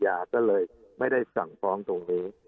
ยิ่งอังกฤษก็เลยไม่ได้สั่งฟ้องถึงนี้